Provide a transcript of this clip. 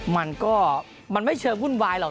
มันก็มันไม่เชิงวุ่นวายหรอก